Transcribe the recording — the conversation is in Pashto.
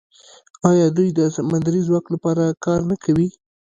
آیا دوی د سمندري ځواک لپاره کار نه کوي؟